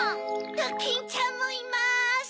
ドキンちゃんもいます！